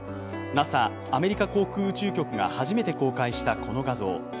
ＮＡＳＡ＝アメリカ航空宇宙局が初めて公開したこの画像。